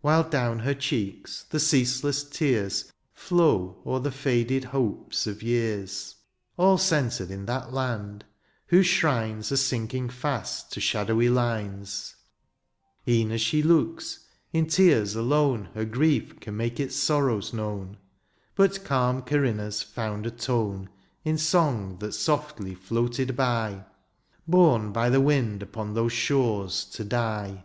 While down her cheeks the ceaseless tears Flow o^er the faded hopes of years — All centred in that land, whose shrines Are sinking fast to shadowy lines ; E'en as she looks — in tears alone Her grief can make its sorrows known ; But calm Corinna's found a tone, (n) In song that softly floated by. Borne by the wind upon those shores to die. THE AREOPAGITE.